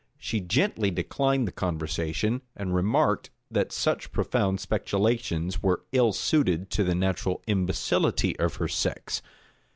She gently declined the conversation, and remarked, that such profound speculations were ill suited to the natural imbecility of her sex.